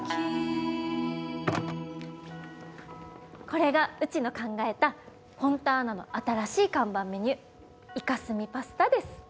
これがうちの考えたフォンターナの新しい看板メニューイカスミパスタです！